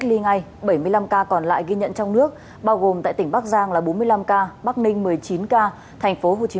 xin chào các bạn